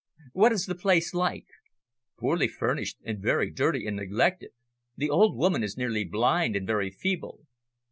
"What is the place like?" "Poorly furnished, and very dirty and neglected. The old woman is nearly blind and very feeble."